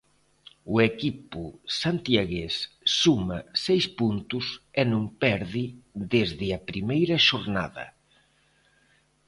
O equipo santiagués suma seis puntos e non perde desde a primeira xornada.